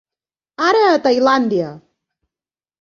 Ara a Tailàndia!